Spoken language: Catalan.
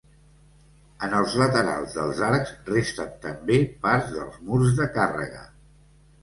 En els laterals dels arcs, resten també part dels murs de càrrega.